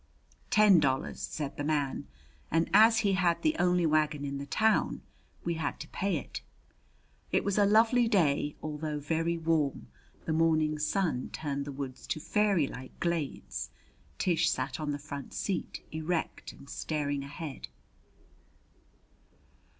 "Ten dollars," said the man; and as he had the only wagon in the town we had to pay it. It was a lovely day, although very warm. The morning sun turned the woods to fairylike glades. Tish sat on the front seat, erect and staring ahead.